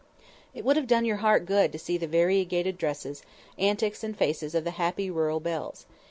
It would have done your heart good to see the variegated dresses, antics and faces of the happy rural belles.